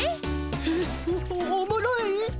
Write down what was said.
えおもろい！？